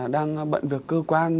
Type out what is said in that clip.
đang bận việc cơ quan